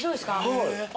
はい。